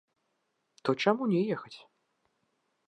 То чаму не ехаць?!